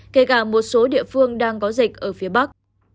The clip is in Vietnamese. kể cả một số địa phương đang có dịch ở phía bắc